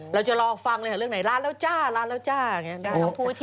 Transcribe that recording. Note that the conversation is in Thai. เราจะรอฟังเลยค่ะเรื่องไหนร้านแล้วจ้าร้านแล้วจ้า